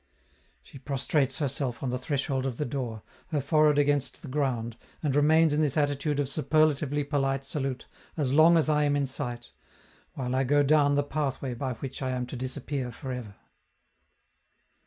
She prostrates herself on the threshold of the door, her forehead against the ground, and remains in this attitude of superlatively polite salute as long as I am in sight, while I go down the pathway by which I am to disappear for ever.